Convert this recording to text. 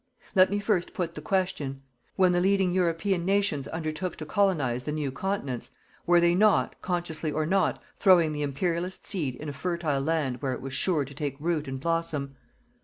Let me first put the question: when the leading European nations undertook to colonize the new Continents, were they not, consciously or not, throwing the Imperialist seed in a fertile land where it was sure to take root and blossom?